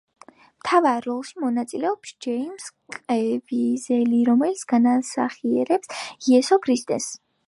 მთავარ როლში მონაწილეობს ჯეიმზ კევიზელი, რომელიც განასახიერებს იესო ქრისტეს.